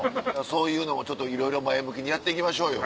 そういうのもいろいろ前向きにやって行きましょうよ。